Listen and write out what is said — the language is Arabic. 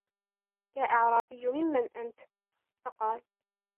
يَا أَعْرَابِيُّ مِمَّنْ أَنْتَ ؟ فَقَالَ